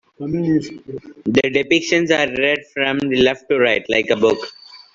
The depictions are read from left to right, like a book.